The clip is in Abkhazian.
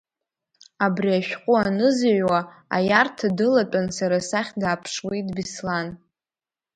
Абри ашәҟәы анызыҩуа, аиарҭа дылатәан сара сахь дааԥшуеит Беслан.